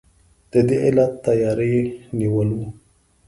د دې علت تیاری نیول وو.